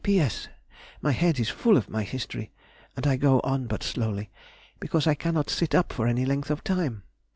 P.S.—My head is full of my History, and I go on but slowly, because I cannot sit up for any length of time.